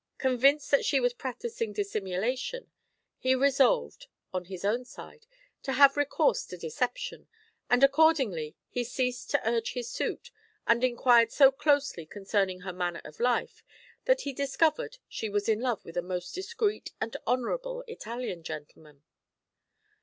Convinced that she was practising dissimulation, he resolved, on his own side, to have recourse to deception, and accordingly he ceased to urge his suit, and inquired so closely concerning her manner of life that he discovered she was in love with a most discreet and honourable Italian gentleman.